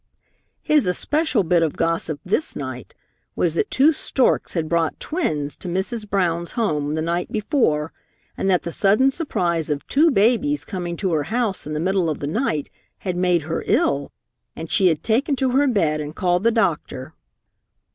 His especial bit of gossip this night was that two storks had brought twins to Mrs. Brown's home the night before and that the sudden surprise of two babies coming to her house in the middle of the night had made her ill and she had taken to her bed and called the doctor.